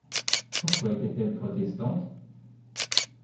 Pourquoi était-elle protestante?